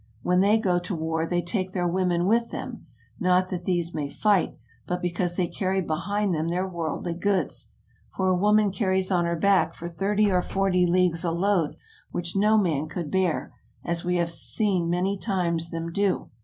When they go to war, they take their women with them, not that these may fight, but because they carry behind them their worldly goods; for a woman carries on her back for thirty or forty leagues a load which no man could bear, as we have many times seen them do.